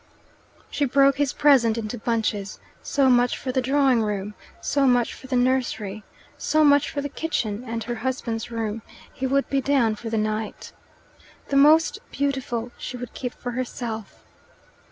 She broke his present into bunches so much for the drawing room, so much for the nursery, so much for the kitchen and her husband's room: he would be down for the night. The most beautiful she would keep for herself.